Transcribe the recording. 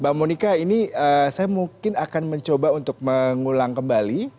mbak monika ini saya mungkin akan mencoba untuk mengulang kembali